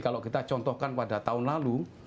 kalau kita contohkan pada tahun lalu